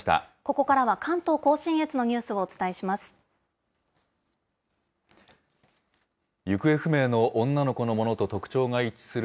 ここからは関東甲信越のニュースをお伝えします。